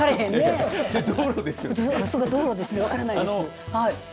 道路ですね、分からないです。